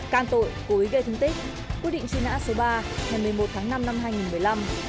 càn tội cúi gây thương tích quyết định truy nã số ba ngày một mươi một tháng năm năm hai nghìn một mươi năm